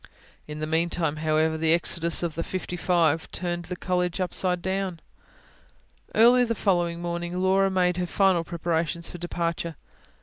In the meantime, however, the exodus of the fifty five turned the College upside down. Early the following morning Laura made her final preparations for departure.